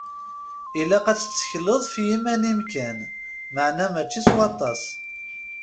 Ilaq ad tettekleḍ f yiman-im kan, meɛna mačči s waṭas.